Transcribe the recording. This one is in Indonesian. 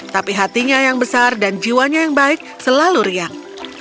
tapi hatinya yang besar dan jiwanya yang baik selalu riang